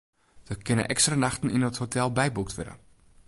Der kinne ekstra nachten yn it hotel byboekt wurde.